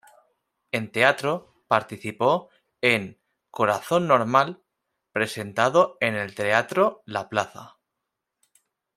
En teatro, participó en "Corazón normal" presentado en el Teatro La Plaza.